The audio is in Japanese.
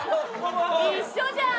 ・一緒じゃん！